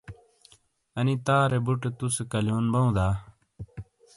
انی تارے بُٹے تُوسے کلیون بَوں دا؟